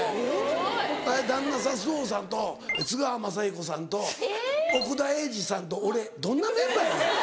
旦那さん周防さんと津川雅彦さんと奥田瑛二さんと俺どんなメンバーやねん。